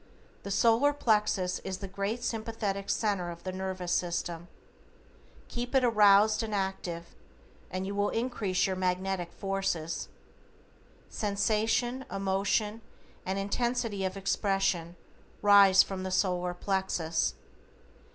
The solar plexus is the great sympathetic centre of the nervous system. Keep it aroused and active, and you will increase your magnetic forces. Sensation, emotion and intensity of expression rise from the solar plexus.